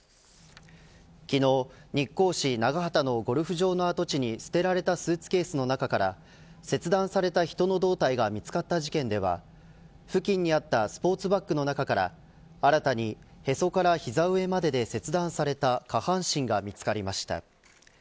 昨日、日光市長畑のゴルフ場の跡地に捨てられたスーツケースの中から切断された人の胴体が見つかった事件では付近にあったスポーツバッグの中から新たにへそから膝上までで切断された下半身が見つかりました。